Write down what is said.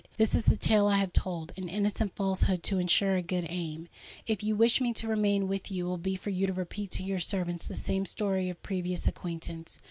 This is the tale I have told—an innocent falsehood to ensure a good aim. If you wish me to remain with you, it will be for you to repeat to your servants the same story of our previous acquaintance.